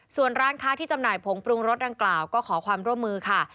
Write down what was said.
ส่วนร้านค้าที่จำหน่ายผงปรุงรสดังกล่าวก็ขอความร่วมมือค่ะ